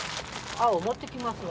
青持ってきますわ。